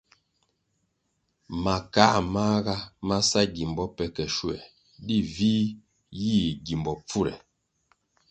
Makā māga ma sa gimbo pe ke schuoē, di vih yih gimbo pfure.